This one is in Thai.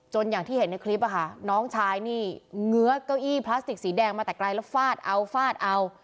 อย่างที่เห็นในคลิปอะค่ะน้องชายนี่เงื้อเก้าอี้พลาสติกสีแดงมาแต่ไกลแล้วฟาดเอาฟาดเอา